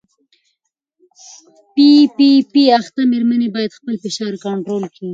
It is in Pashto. پي پي پي اخته مېرمنې باید خپل فشار کنټرول کړي.